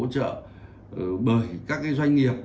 bởi các doanh nghiệp để phát triển thị trường bất động sản